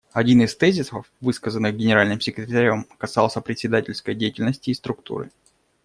Один из тезисов, высказанных Генеральным секретарем, касался председательской деятельности и структуры.